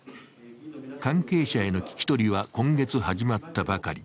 関係者への聞き取りは今月始まったばかり。